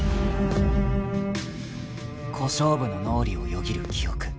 ［小勝負の脳裏をよぎる記憶。